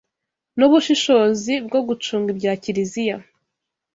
n’ubushishozi mu gucunga ibya Kiliziya